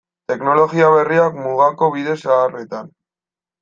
Teknologia berriak mugako bide zaharretan.